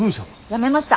辞めました。